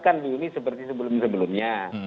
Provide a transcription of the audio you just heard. kan juni seperti sebelum sebelumnya